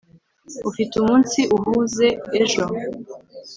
ufite umunsi uhuze ejo